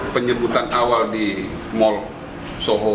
penyebutan awal di mall soho